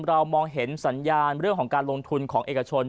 มองเห็นสัญญาณเรื่องของการลงทุนของเอกชน